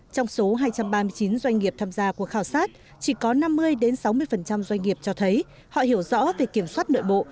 trong số hai trăm ba mươi chín doanh nghiệp tham gia cuộc khảo sát chỉ có năm mươi sáu mươi doanh nghiệp cho thấy họ hiểu rõ về kiểm soát nội bộ